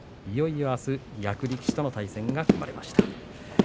いよいよあす役力士との対戦が決まりました。